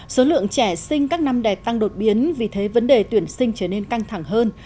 số lượng trẻ sinh các năm đẹp tăng đột biến vì thế vấn đề tuyển sinh trở nên căng thẳng hơn